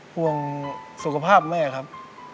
ห่วงสุขภาพแม่ครับ